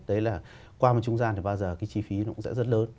đấy là qua một trung gian thì bao giờ cái chi phí nó cũng sẽ rất lớn